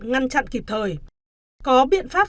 ngăn chặn kịp thời có biện pháp